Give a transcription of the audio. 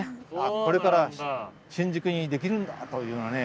これから新宿にできるんだというようなことで。